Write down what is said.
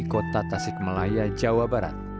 kota tasik malaya jawa barat